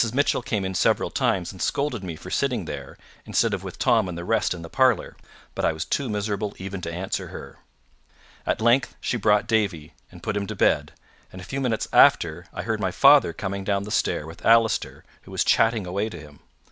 Mitchell came in several times and scolded me for sitting there, instead of with Tom and the rest in the parlour, but I was too miserable even to answer her. At length she brought Davie, and put him to bed; and a few minutes after, I heard my father coming down the stair with Allister, who was chatting away to him.